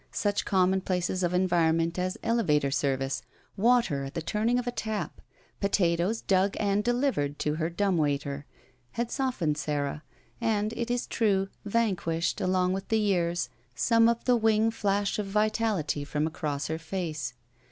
Such common places of environment as elevator service, water at the turning of a tap, potatoes dug and delivered to her dumbwaiter, had softened Sara and, it is true, vanquished, along with the years, some of the wing 227 ROULETTE flash of vitality from across her face.